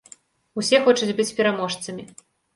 Усе хочуць быць пераможцамі.